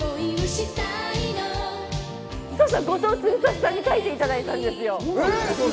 後藤次利さんに書いていただいたんですよ。